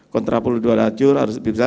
kontrapro dua lajur harus lebih besar